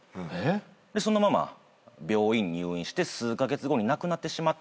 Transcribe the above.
そのまま病院に入院して数カ月後に亡くなってしまったんですけど。